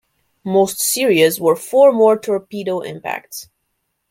Most serious were four more torpedo impacts.